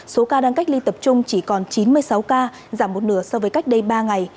số ca đang cách ly tập trung chỉ còn chín mươi sáu ca giảm một nửa so với cách đây ba ngày